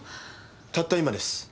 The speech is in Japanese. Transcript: たった今です。